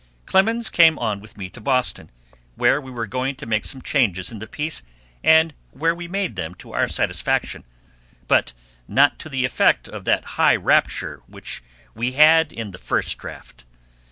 Clemens came on with me to Boston, where we were going to make some changes in the piece, and where we made them to our satisfaction, but not to the effect of that high rapture which we had in the first draft.